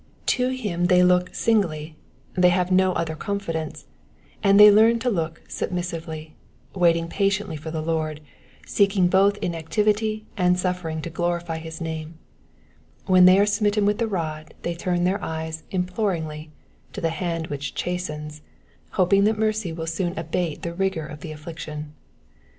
To him they look Digitized by VjOOQIC PSALX ONE HUNDRED AND TWEITTY THREB, 446 tingly^ they have no other confidence, and they learn to look mibmimvely, waiting patiently for the Lord, seeking both in activity and suffering to glorify his name. When they are smitten with the rod they turn their eyes imploringly to the hand which chastens, hoping that mercy will soon abate the rigour of the affliction.